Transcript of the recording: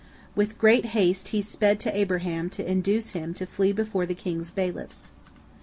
With great haste he sped to Abraham to induce him to flee before the king's bailiffs.